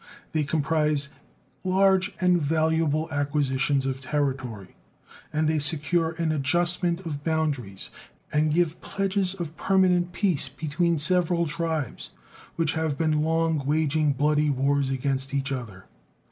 They comprise large and valuable acquisitions of territory, and they secure an adjustment of boundaries and give pledges of permanent peace between several tribes which had been long waging bloody wars against each other.